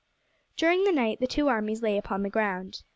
During the night the two armies lay upon the ground.